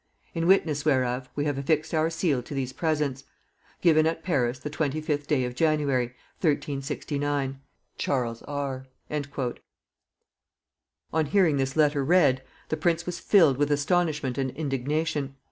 "In witness whereof we have affixed our seal to these presents. "Given at Paris the twenty fifth day of January, 1369. "CHARLES R." On hearing this letter read, the prince was filled with astonishment and indignation.